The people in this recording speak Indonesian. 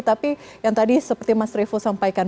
tapi yang tadi seperti mas revo sampaikan